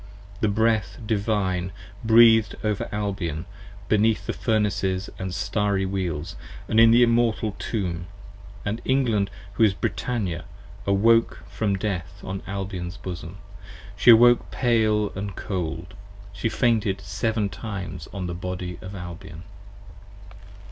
The Breath Divine Breathed over Albion Beneath the Furnaces & starry Wheels and in the Immortal Tomb, 20 And England who is Brittannia awoke from Death on Albion's bosom: She awoke pale & cold, she fainted seven times on the Body of Albion.